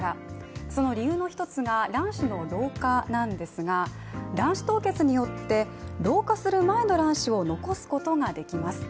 その理由の一つが、卵子の老化なんですが卵子凍結によって、老化する前の卵子を残すことができます。